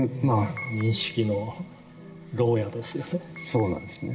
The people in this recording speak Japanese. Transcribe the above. そうなんですね。